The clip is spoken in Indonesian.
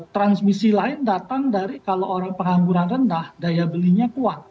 transmisi lain datang dari kalau orang pengangguran rendah daya belinya kuat